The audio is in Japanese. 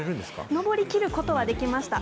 上りきることはできました。